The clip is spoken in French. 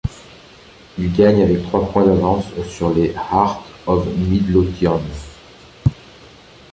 Il gagne avec trois points d’avance sur les Heart of Midlothian.